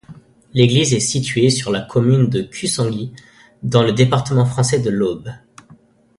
L'église est située sur la commune de Cussangy, dans le département français de l'Aube.